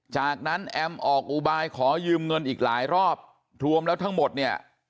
จากนั้นแอมออกอุบายขอยืมเงินอีกหลายรอบรวมแล้วทั้งหมดเนี่ย